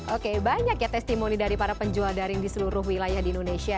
oke banyak ya testimoni dari para penjual daring di seluruh wilayah di indonesia